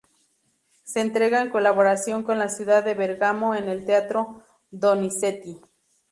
Se entrega en colaboración con la ciudad de Bergamo en el Teatro Donizetti.